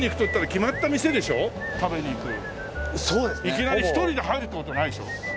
いきなり１人で入るって事はないでしょ？